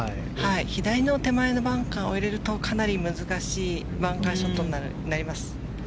左の手前のバンカーを入れるとかなり難しいバンカーショットになります。